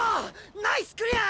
ナイスクリア！